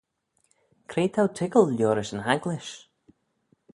Cre t'ou toiggal liorish yn agglish?